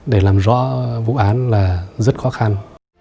để làm rõ vụ án là rất khó khăn